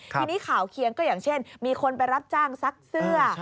ทีนี้ข่าวเคียงก็อย่างเช่นมีคนไปรับจ้างซักเสื้อ